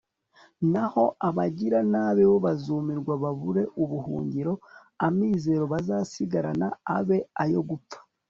naho abagiranabi bo, bazumirwa, babure ubuhungiro, amizero bazasigarana, abe ayo gupfa